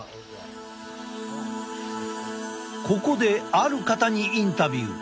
ここである方にインタビュー。